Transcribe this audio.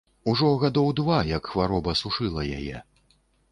Ужо гадоў два як хвароба сушыла яе.